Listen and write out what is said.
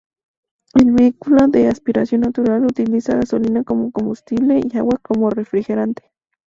El vehículo, de aspiración natural, utilizaba gasolina como combustible y agua como refrigerante.